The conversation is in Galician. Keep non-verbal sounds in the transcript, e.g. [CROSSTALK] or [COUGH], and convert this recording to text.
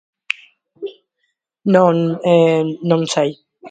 [NOISE] Non [HESITATION] non sei.